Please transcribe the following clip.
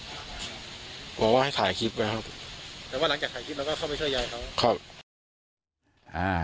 แต่ว่าหลังจากถ่ายคลิปเราก็เข้าไปช่วยยายเขาครับ